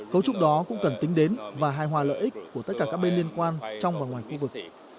cấu trúc đó cũng cần tính đến và hài hòa lợi ích của tất cả các bên liên quan trong và ngoài khu vực